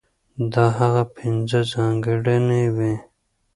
دا هغه پنځه ځانګړنې وې،